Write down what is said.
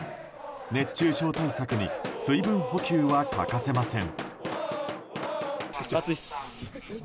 熱中症対策に水分補給は欠かせません。